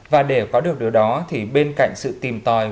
và để có được điều đó thì bên cạnh sự tìm tòi